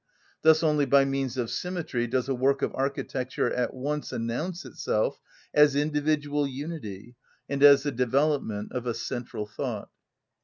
Thus only by means of symmetry does a work of architecture at once announce itself as individual unity, and as the development of a central thought.